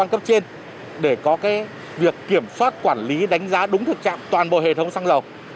cấp trên để có việc kiểm soát quản lý đánh giá đúng thực trạng toàn bộ hệ thống sang lọc